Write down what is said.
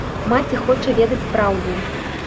Маці хоча ведаць праўду.